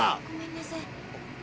ごめんなさい。